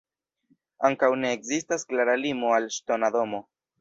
Ankaŭ ne ekzistas klara limo al ŝtona domo.